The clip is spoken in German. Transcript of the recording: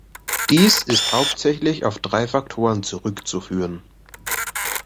Dies ist hauptsächlich auf drei Faktoren zurückzuführen.